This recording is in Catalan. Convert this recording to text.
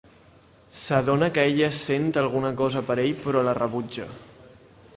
S'adona que ella sent alguna cosa per ell però la rebutja.